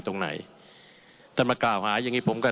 ผมวินิจฉัยแล้วตะกี้นี้ว่าอ่ะ